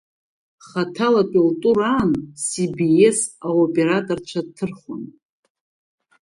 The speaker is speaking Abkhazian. Хаҭалатәи лтур аан Си би Ес аоператорцәа дҭырхуан.